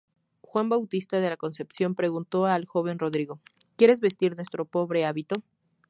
Juan Bautista de la Concepción preguntó al joven Rodrigo: "¿Quieres vestir nuestro pobre hábito?